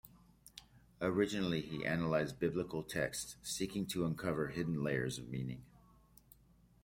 Originally he analyzed Biblical texts, seeking to uncover hidden layers of meaning.